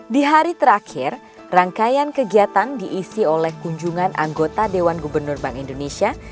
di hari terakhir rangkaian kegiatan diisi oleh kunjungan anggota dewan gubernur bank indonesia